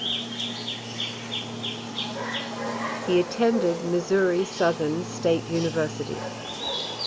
He attended Missouri Southern State University.